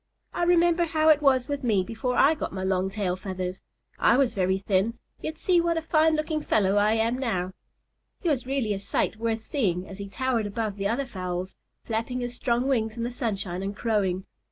I remember how it was with me before I got my long tail feathers. I was very thin, yet see what a fine looking fellow I am now." He was really a sight worth seeing as he towered above the other fowls, flapping his strong wings in the sunshine and crowing.